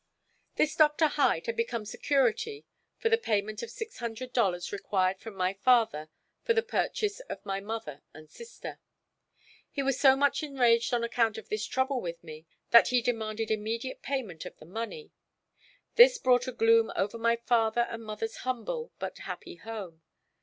This Doctor Hyde had become security for the payment of the $600 required from my father for the purchase of my mother and sister. He was so much enraged on account of this trouble with me, that he demanded immediate payment of the money. This brought a gloom over my father and mother's humble but happy home.